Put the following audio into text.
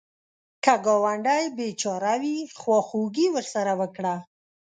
که ګاونډی بېچاره وي، خواخوږي ورسره وکړه